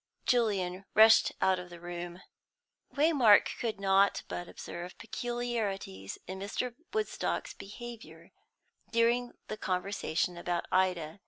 Julian rushed out of the room. Waymark could not but observe peculiarities in Mr. Woodstock's behaviour during the conversation about Ida.